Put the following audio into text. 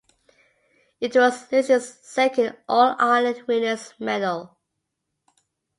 It was Liston's second All-Ireland winners' medal.